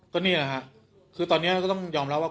ก็นี่แหละฮะคือตอนนี้ก็ต้องยอมรับว่า